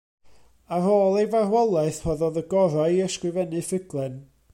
Ar ôl ei farwolaeth, rhoddodd y gorau i ysgrifennu ffuglen.